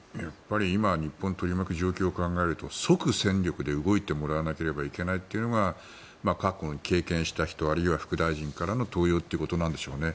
今、日本を取り巻く状況を考えると即戦力で動いてもらわないといけないというのが過去の経験した人あるいは副大臣からの登用なんでしょうね。